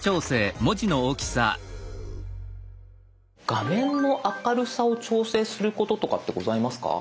画面の明るさを調整することとかってございますか？